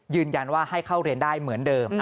ยืนยันว่าให้เข้าเรียนได้เหมือนเดิม